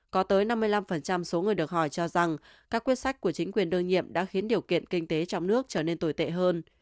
có tới năm mươi năm số người được hỏi cho rằng các quyết sách của chính quyền đương nhiệm đã khiến điều kiện kinh tế trong nước trở nên tồi tệ hơn